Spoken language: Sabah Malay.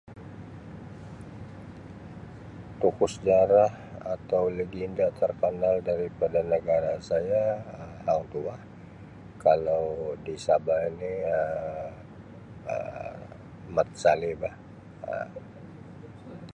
Tokoh sejarah atau lagenda terkenal daripada negara saya ialah Hang Tuah kalau di Sabah ini Um Mat Salleh bah Um.